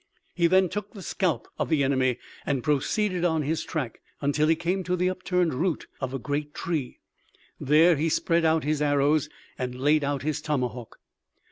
He then took the scalp of the enemy and proceeded on his track, until he came to the upturned root of a great tree. There he spread out his arrows and laid out his tomahawk.